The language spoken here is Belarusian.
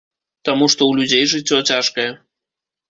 Таму што ў людзей жыццё цяжкае.